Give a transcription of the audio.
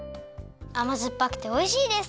あまずっぱくておいしいです。